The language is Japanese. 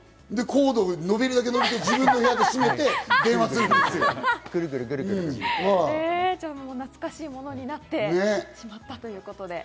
コード伸びるだけ伸ばして、自分の部屋で懐かしいものになってしまったということですね。